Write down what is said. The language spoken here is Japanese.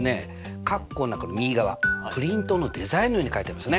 括弧の中の右側プリントのデザインのように書いてありますね。